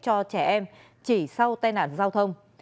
cho trẻ em chỉ sau tai nạn giao thông